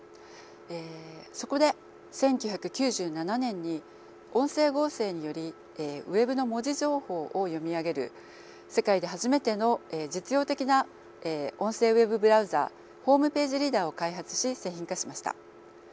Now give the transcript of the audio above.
そこで１９９７年に音声合成によりＷＥＢの文字情報を読み上げる世界で初めての実用的な音声ＷＥＢブラウザホームページリーダーを開発し製品化しました。